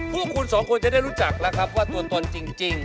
พวกคุณสองคนจะได้รู้จักแล้วครับว่าตัวตนจริง